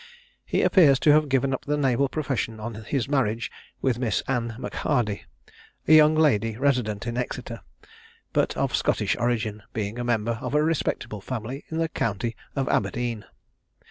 He appears to have given up the naval profession on his marriage with Miss Ann Machardy, a young lady resident in Exeter, but of Scottish origin, being a member of a respectable family in the county of Aberdeen.